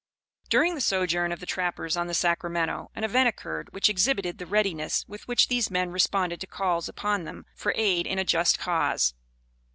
During the sojourn of the trappers on the Sacramento, an event occurred which exhibited the readiness with which these men responded to calls upon them for aid in a just cause.